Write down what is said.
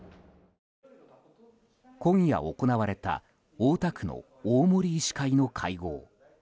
今夜行われた大田区の大森医師会の会合。